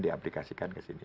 diaplikasikan ke sini